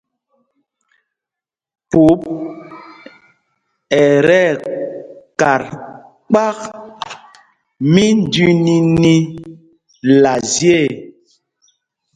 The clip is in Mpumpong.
Pup ɛ tí ɛkat kpak mínjüiníní la zye ê.